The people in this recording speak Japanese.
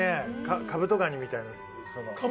カブトガニみたいな。